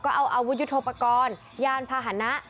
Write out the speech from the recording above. ก็เอาอาวุฒิโทปกรณ์ยานพาหนะ